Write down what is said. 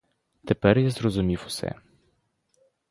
Тепер я зрозумів усе.